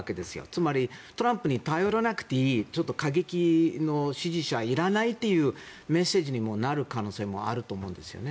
つまり、トランプに頼らなくていい過激の支持者いらないというメッセージにもなる可能性もあると思うんです。